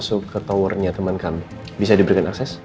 sebenarnya ini apartemen rafael